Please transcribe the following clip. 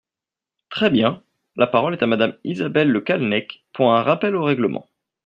Très bien ! La parole est à Madame Isabelle Le Callennec, pour un rappel au règlement.